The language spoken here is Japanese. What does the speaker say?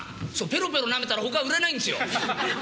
ペロペロなめたら他売れないんですよ。